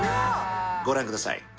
ご覧ください